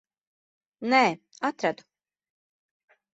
Nē, atradu.